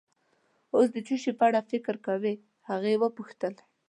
اوس د څه شي په اړه فکر کوې؟ هغې وپوښتل.